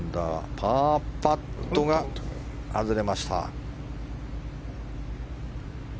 パーパットが外れました。